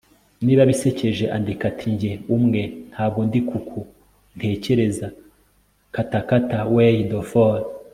niba bisekeje, andika. ati 'njye umwe,' ntabwo ndi kuku ntekereza katakata wey de for